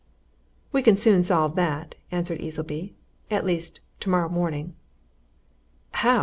"We can soon solve that," answered Easleby. "At least tomorrow morning." "How?"